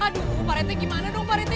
aduh pak rata gimana dong pak rata